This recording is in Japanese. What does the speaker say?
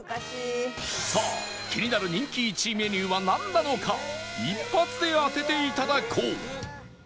さあ気になる人気１位メニューはなんなのか一発で当てていただこう